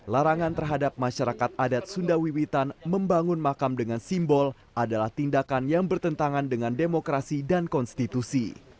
larangan terhadap masyarakat adat sundawiwitan membangun makam dengan simbol adalah tindakan yang bertentangan dengan demokrasi dan konstitusi